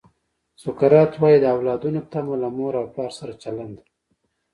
سقراط وایي د اولادونو تمه له مور او پلار سره چلند دی.